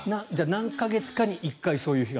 何か月かに１回そういう日が。